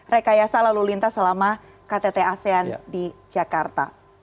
rekayasa lalu lintas selama ktt asean di jakarta